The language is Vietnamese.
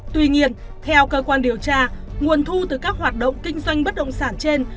tuy nhiên theo cơ quan điều tra nguồn thu từ các hoạt động kinh doanh bất động sản trên